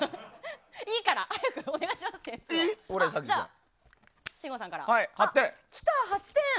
いいから早くお願いします点数を。